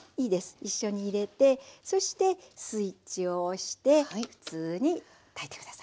一緒に入れてそしてスイッチを押して普通に炊いて下さい。